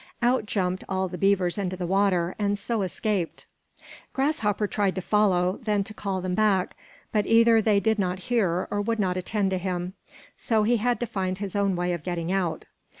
Out jumped all the beavers into the water, and so escaped. Grasshopper tried to follow, then to call them back; but either they did not hear or would not attend to him. So he had to find his own way of getting out.